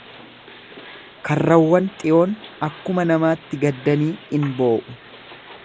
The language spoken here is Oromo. Karrawwan Xiyoon akkuma namaatti gaddanii in boo'u.